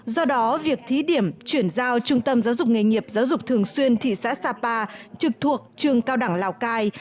do đó việc thí điểm chuyển giao trung tâm giáo dục nghề nghiệp giáo dục thường xuyên thị xã sapa trực thuộc trường cao đẳng lào cai